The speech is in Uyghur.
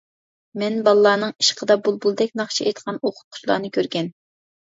مەن بالىلارنىڭ ئىشقىدا بۇلبۇلدەك ناخشا ئېيتقان ئوقۇتقۇچىلارنى كۆرگەن.